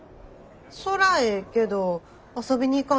そらええけど遊びに行かんでええの？